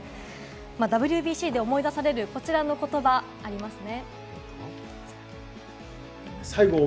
ＷＢＣで思い出されるこちらの言葉、ありますね。